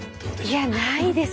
いやないです。